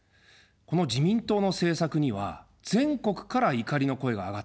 この自民党の政策には全国から怒りの声が上がっています。